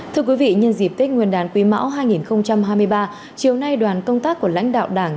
thưa quý vị nhân dịp tết nguyên đán quý mão hai nghìn hai mươi ba chiều nay đoàn công tác của lãnh đạo đảng